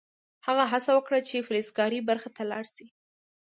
هغه هڅه وکړه چې فلزکاري برخې ته لاړ شي